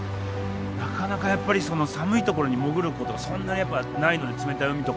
なかなかやっぱり寒いところに潜ることがそんなやっぱないので冷たい海とかに。